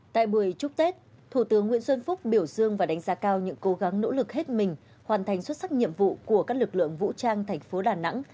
tại buổi chúc tết thủ tướng nguyễn xuân phúc biểu dương và đánh giá cao những cố gắng nỗ lực hết mình hoàn thành xuất sắc nhiệm vụ của các lực lượng vũ trang thành phố đà nẵng